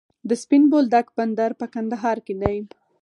د سپین بولدک بندر په کندهار کې دی